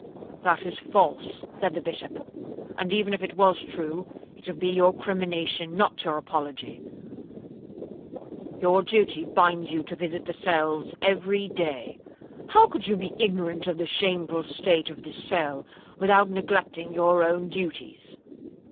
'—'That is false,' said the Bishop; 'and even if it was true, it would be your crimination, not your apology. Your duty binds you to visit the cells every day; how could you be ignorant of the shameful state of this cell, without neglecting your own duties?'